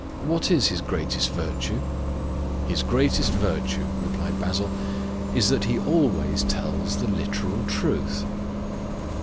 "What is his greatest virtue?" "His greatest virtue," replied Basil, "is that he always tells the literal truth."